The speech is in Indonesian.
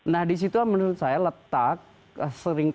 nah disitulah menurut saya letak seringkali